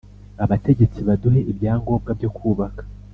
abategetsi baduhe ibyangombwa byo kubaka